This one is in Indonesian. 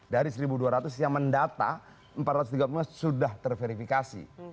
dari satu dua ratus yang mendata empat ratus tiga puluh lima sudah terverifikasi